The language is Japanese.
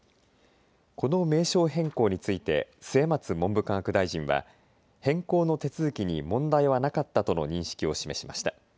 この名称変更について末松文部科学大臣は変更の手続きに問題はなかったとの認識を示しました。